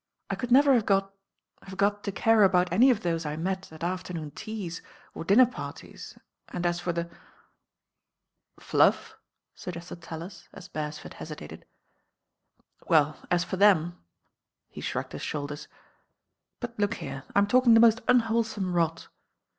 I could never have got— have ^ot to care about any of those I met at after, noon tetef or dinner parties, and as for the " ••nuff," suggested TaUis. as Beresford hesitated. i.n \'*'^°''*^^™'"^« shrugged his shoulders. But look here, I'm talking the most unwholesome rot."